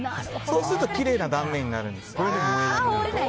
そうするときれいな断面になるんですね。